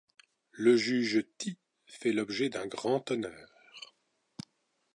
Le juge Ti fait l'objet d'un grand honneur.